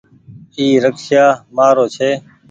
اي رڪسييآ مآرو ڇي